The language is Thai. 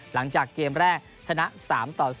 หลังจากเกมแรกชนะ๓ต่อ๐